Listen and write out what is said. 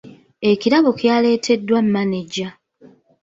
Ekirabo kyaleeteddwa maneja.